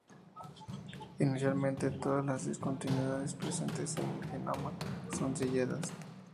Inicialmente todas las discontinuidades presentes en el genoma son selladas.